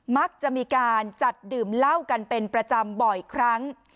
มักจะมีการจัดดื่มเหล้ากันเป็นประจำบ่อยครั้ง